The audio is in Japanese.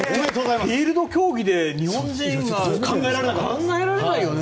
フィールド競技で日本人が考えられないよね。